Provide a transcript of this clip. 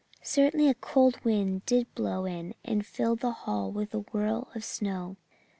"Certainly a cold wind did blow in and filled the hall with a whirl of snow.